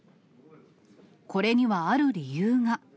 これにはある理由が。